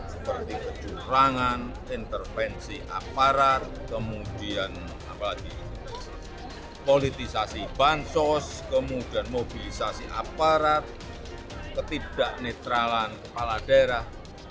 seperti kecurangan intervensi aparat kemudian apalagi politisasi bansos kemudian mobilisasi aparat ketidak netralan kepala daerah